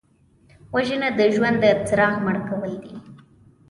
وژنه د ژوند د څراغ مړ کول دي